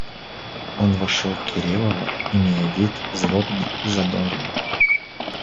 Он вошел к Кириллову, имея вид злобный и задорный.